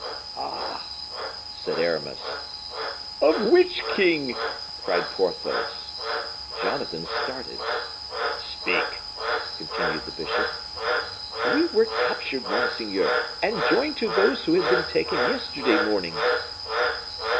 "Ah!" said Aramis. "Of which king?" cried Porthos. Jonathan started. "Speak!" continued the bishop. "We were captured, monseigneur, and joined to those who had been taken yesterday morning."